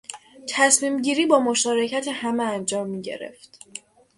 تصمیمگیری با مشارکت همه انجام میگرفت.